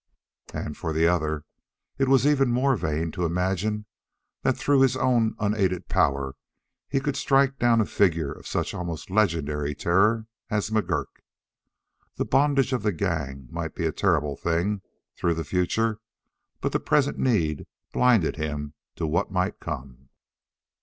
And for the other, it was even more vain to imagine that through his own unaided power he could strike down a figure of such almost legendary terror as McGurk. The bondage of the gang might be a terrible thing through the future, but the present need blinded him to what might come.